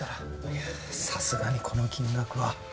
いやさすがにこの金額は。